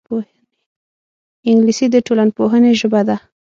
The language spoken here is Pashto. انګلیسي د ټولنپوهنې ژبه ده